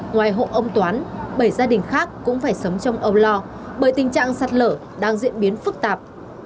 ngoài hộ ông toán bảy gia đình khác cũng phải sống trong âu lo bởi tình trạng sạt lở đang diễn biến phức tạp